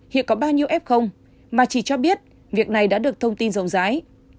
hiện có bao nhiêu f mà chỉ cho biết việc này đã được thông tin rộng rãi